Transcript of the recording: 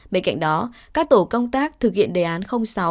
bên cạnh đó các tổ công tác thực hiện đề án sáu